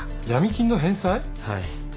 はい。